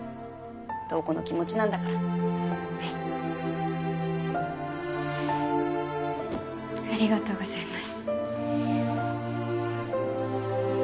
瞳子の気持ちなんだからはいありがとうございます